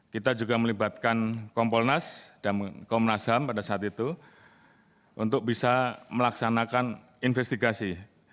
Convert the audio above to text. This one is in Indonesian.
kita juga melibatkan kompolnas dan komnas ham pada saat itu untuk bisa melaksanakan investigasi